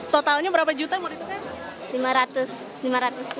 totalnya berapa juta mau ditukar